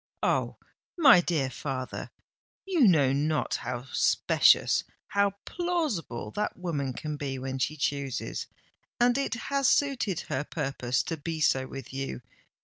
"Oh! my dear father, you know not how specious—how plausible that woman can be when she chooses; and it has suited her purpose to be so with you.